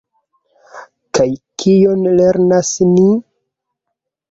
Kaj kion lernas ni?